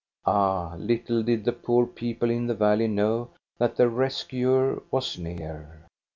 Ah, little did the poor people in the valley know that their res cuer was near.